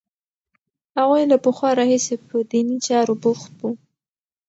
هغوی له پخوا راهیسې په دیني چارو بوخت وو.